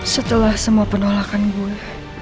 setelah semua pendolakan gue